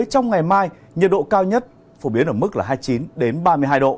trong ngày mai nhiệt độ cao nhất phổ biến ở mức là hai mươi chín ba mươi hai độ